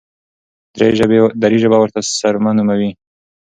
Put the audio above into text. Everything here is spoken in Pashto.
دري ژبي ورته سرمه نوموي.